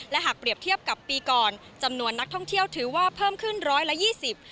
หากเปรียบเทียบกับปีก่อนจำนวนนักท่องเที่ยวถือว่าเพิ่มขึ้นร้อยละยี่สิบ